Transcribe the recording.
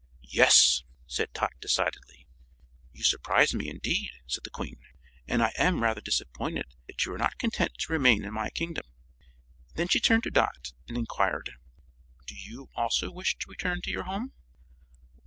"Yes," said Tot decidedly. "You surprise me, indeed," said the Queen, "and I am rather disappointed that you are not content to remain in my kingdom." Then she turned to Dot, and enquired: "Do you also wish to return to your home?"